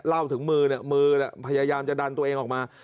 เล่าถึงมือมือพยายามจะดันตัวเองออกมา